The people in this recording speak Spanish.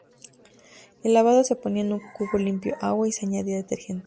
El lavado se ponía en un cubo limpio, agua y se añadía detergente.